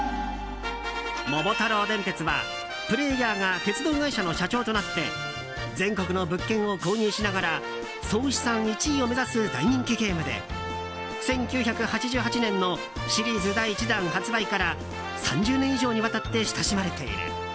「桃太郎電鉄」はプレーヤーが鉄道会社の社長となって全国の物件を購入しながら総資産１位を目指す大人気ゲームで１９８８年のシリーズ第１弾発売から３０年以上にわたって親しまれている。